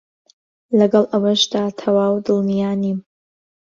لەگەڵ ئەوەشدا تەواو دڵنیا نیم